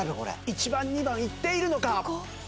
１番２番いっているのか？